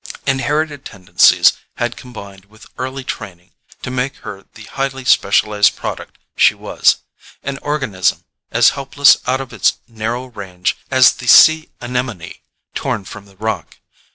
Inherited tendencies had combined with early training to make her the highly specialized product she was: an organism as helpless out of its narrow range as the sea anemone torn from the rock.